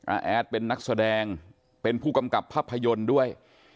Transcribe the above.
แอดเป็นนักแสดงเป็นผู้กำกับภาพยนตร์ด้วย